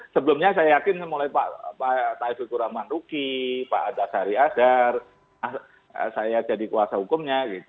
sebelumnya saya yakin mulai pak taiful kuraman ruki pak antasari azhar saya jadi kuasa hukumnya gitu